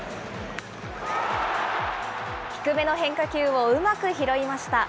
低めの変化球をうまく拾いました。